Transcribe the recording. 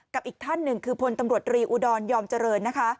อีกท่านหนึ่งคือพลตำรวจรีอุดรยอมเจริญนะคะ